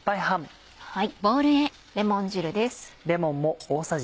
レモン汁です。